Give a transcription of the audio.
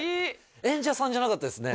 演者さんじゃなかったですね